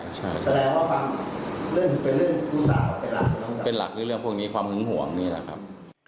ผู้ศาลเป็นหลักพวกนี้ความหึงห่วงเด็ดนะครับ